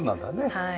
はい。